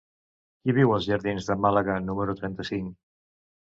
Qui viu als jardins de Màlaga número trenta-cinc?